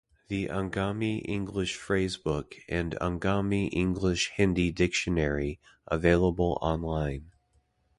The Angami-English Phrasebook and Angami-English-Hindi dictionary available online.